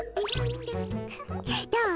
どう？